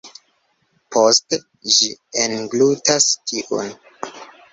Poste ĝi englutas tiun.